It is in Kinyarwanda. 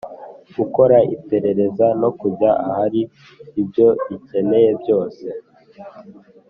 Gukora iperereza no kujya ahari ibyo rikeneye byose